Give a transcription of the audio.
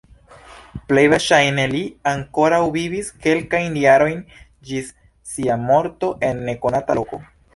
Plej verŝajne li ankoraŭ vivis kelkajn jarojn ĝis sia morto en nekonata loko.